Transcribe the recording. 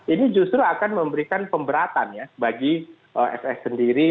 ini justru akan memberikan pemberatan ya bagi fs sendiri